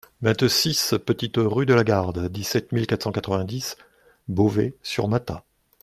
vingt-six petite Rue de la Garde, dix-sept mille quatre cent quatre-vingt-dix Beauvais-sur-Matha